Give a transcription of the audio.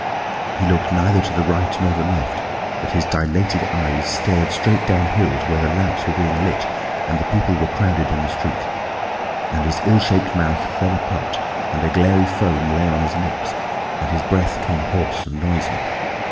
He looked neither to the right nor the left, but his dilated eyes stared straight downhill to where the lamps were being lit, and the people were crowded in the street. And his ill shaped mouth fell apart, and a glairy foam lay on his lips, and his breath came hoarse and noisy.